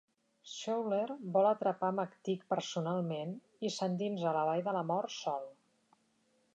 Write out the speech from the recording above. Schouler vol atrapar McTeague personalment i s'endinsa a la Vall de la Mort sol.